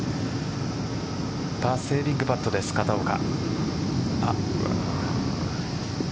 パーセービングパットです、片岡。